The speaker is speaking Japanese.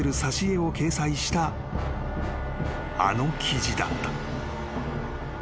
挿絵を掲載したあの記事だった］